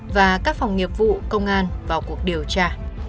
và các phòng nghiệp vụ công an vào cuộc điều tra